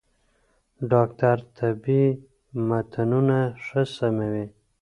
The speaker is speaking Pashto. ډاکټر طبي متنونه ښه سموي.